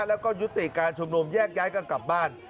แล้วก็ยุติการชุมนุมแยกย้ายกันกลับบ้าน